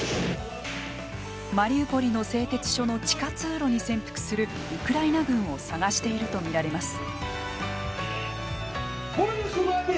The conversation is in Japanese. マリウポリの製鉄所の地下通路に潜伏するウクライナ軍を探していると見られます。